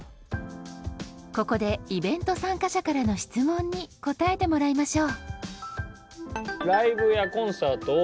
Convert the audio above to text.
ここでイベント参加者からの質問に答えてもらいましょう。